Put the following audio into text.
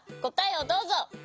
こたえをどうぞ！